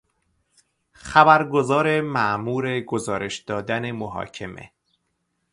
خبرگزار مامور گزارش دادن محاکمه